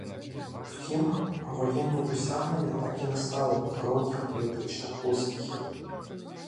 Втім, воєнні досягнення так і не стали підґрунтям політичних успіхів.